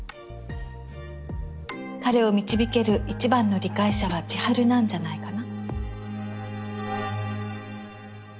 彼を導ける一番の理解者は千晴なんじゃないかな？